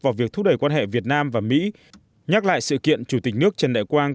vào việc thúc đẩy quan hệ việt nam và mỹ nhắc lại sự kiện chủ tịch nước trần đại quang